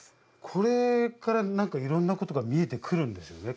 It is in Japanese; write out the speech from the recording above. これから何かいろんなことが見えてくるんですよね？